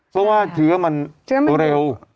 เพราะว่าเชื้อมันเร็ว